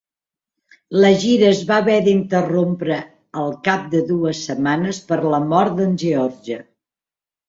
La gira es va haver d'interrompre al cap de dues setmanes per la mort d'en George.